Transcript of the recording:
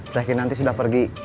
cekin nanti sudah pergi